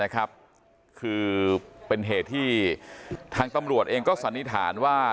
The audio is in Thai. คือเป็นเหตุที่ทางตำรวจเองก็สันนิษฐานว่า